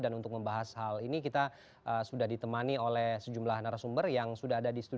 dan untuk membahas hal ini kita sudah ditemani oleh sejumlah narasumber yang sudah ada di situasi